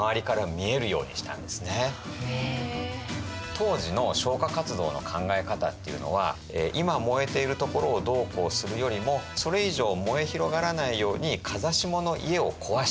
当時の消火活動の考え方っていうのは今燃えている所をどうこうするよりもそれ以上燃え広がらないように風下の家を壊して延焼を防ぐと。